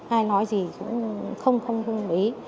ai nói gì cũng không không không ý